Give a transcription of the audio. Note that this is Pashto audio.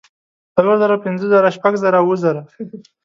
څلور زره پنځۀ زره شپږ زره اووه زره